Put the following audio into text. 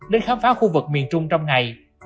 đến khám phá khu vực miền trung trong ngày